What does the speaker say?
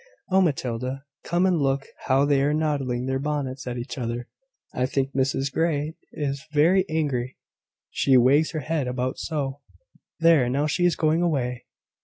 Oh, Matilda, come and look how they are nodding their bonnets at each other! I think Mrs Grey is very angry, she wags her head about so. There! now she is going away.